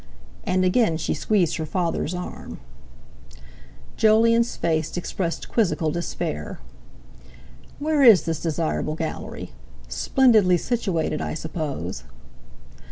And again she squeezed her father's arm. Jolyon's face expressed quizzical despair. "Where is this desirable Gallery? Splendidly situated, I suppose?"